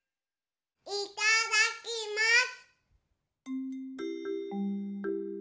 いただきます。